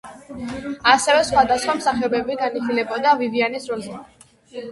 ასევე სხვადასხვა მსახიობები განიხილებოდა ვივიანის როლზე.